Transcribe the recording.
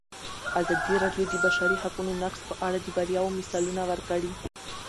ازادي راډیو د د بشري حقونو نقض په اړه د بریاوو مثالونه ورکړي.